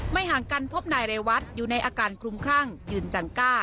ห่างกันพบนายเรวัตอยู่ในอาการคลุมคลั่งยืนจังก้า